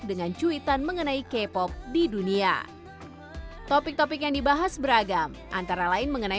dengan cuitan mengenai k pop di dunia topik topik yang dibahas beragam antara lain mengenai